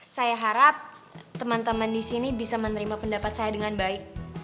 saya harap teman teman di sini bisa menerima pendapat saya dengan baik